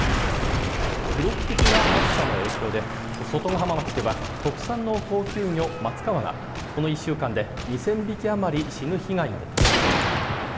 記録的な暑さの影響で外ヶ浜町では特産の高級魚マツカワがこの１週間で２０００匹余り死ぬ被害が出ています。